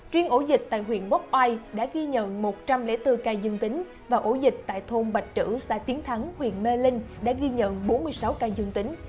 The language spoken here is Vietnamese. riêng ổ dịch tại huyện quốc oai đã ghi nhận một trăm linh bốn ca dương tính và ổ dịch tại thôn bạch trữ xã tiến thắng huyện mê linh đã ghi nhận bốn mươi sáu ca dương tính